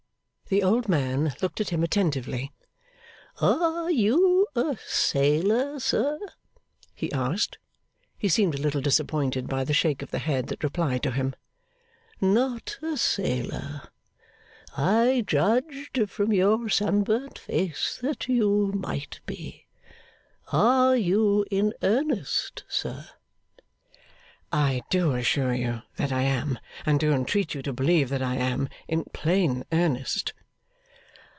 The old man looked at him attentively. 'Are you a sailor, sir?' he asked. He seemed a little disappointed by the shake of the head that replied to him. 'Not a sailor? I judged from your sunburnt face that you might be. Are you in earnest, sir?' 'I do assure you that I am, and do entreat you to believe that I am, in plain earnest.